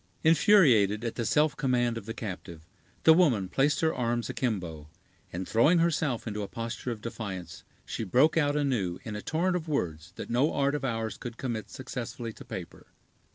Infuriated at the self command of the captive, the woman placed her arms akimbo; and, throwing herself into a posture of defiance, she broke out anew, in a torrent of words that no art of ours could commit successfully to paper.